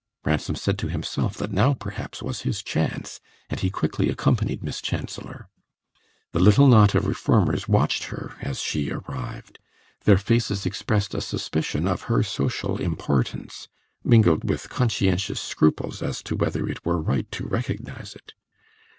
Ransom said to himself that now, perhaps, was his chance, and he quickly accompanied Miss Chancellor. The little knot of reformers watched her as she arrived; their faces expressed a suspicion of her social importance, mingled with conscientious scruples as to whether it were right to recognise it.